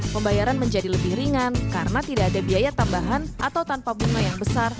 pembayaran menjadi lebih ringan karena tidak ada biaya tambahan atau tanpa bunga yang besar